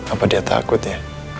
apa dia takut ya